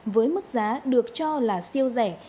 với mức giá được cho là siêu rẻ